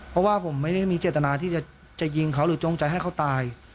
เพราะว่าผมไม่ได้มีเจตนาที่จะยิงเขาหรือจงใจให้เขาตาย